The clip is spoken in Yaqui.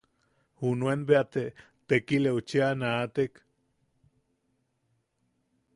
Junuen bea te tekileu cheʼa naatek;.